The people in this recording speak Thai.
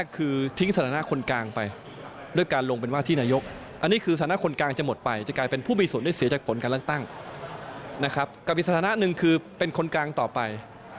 กับวิสถานะหนึ่งคือเป็นคนกลางต่อไป